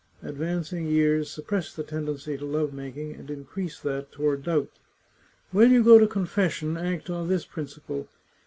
Advancing years suppress the tendency to love making and increase that toward doubt. When you go to confes sion act on this principle.